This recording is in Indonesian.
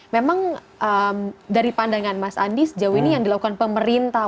memang dari pandangan mas andi sejauh ini yang dilakukan pemerintah